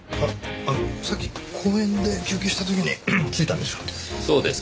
あっさっき公園で休憩した時についたんでしょう。